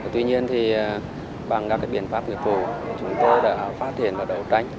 tuy nhiên thì bằng các biện pháp nghiệp vụ chúng tôi đã phát hiện và đấu tranh